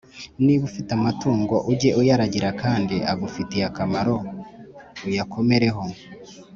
Niba ufite amatungo, ujye uyaragira, kandi agufitiye akamaro, uyakomereho